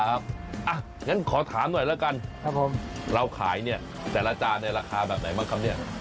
อย่างนั้นขอถามหน่อยแล้วกันครับผมเราขายเนี่ยแต่ละจานในราคาแบบไหนบ้างครับเนี่ย